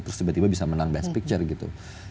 terus tiba tiba bisa menang best picture gitu